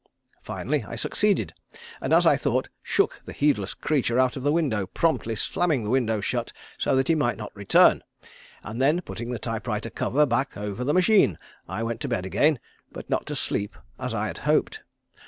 Finally I succeeded, and, as I thought, shook the heedless creature out of the window promptly slamming the window shut so that he might not return; and then putting the type writer cover back over the machine, I went to bed again, but not to sleep as I had hoped.